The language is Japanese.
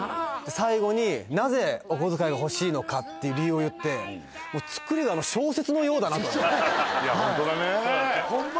最後になぜお小遣いがほしいのかっていう理由を言ってつくりが小説のようだなといやホントだねホンマ